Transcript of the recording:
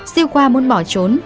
siêu khoa muốn bỏ trốn